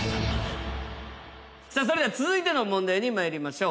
さあそれでは続いての問題にまいりましょう。